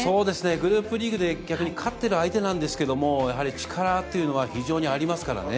グループリーグで、逆に勝ってる相手なんですけども、やはり力というのは非常にありますからね。